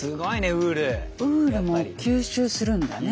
ウールも吸収するんだね。